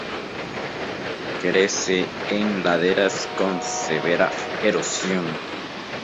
Crece en laderas con severa erosión.